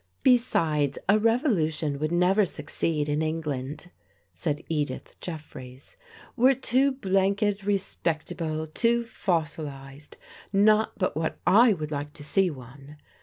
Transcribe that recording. " Besides, a revolution would never succeed In Eng land," said Edith Jeffreys. " We're too blanked respect able, too fossilized. Not but what I would like to see one.